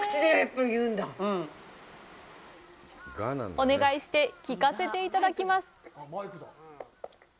お願いして聞かせていただきます。